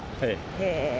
へえ。